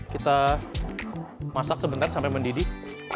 kita masak sebentar sampai mendidih